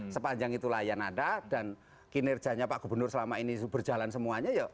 sepanjang itu layan ada dan kinerjanya pak gubernur selama ini berjalan semuanya ya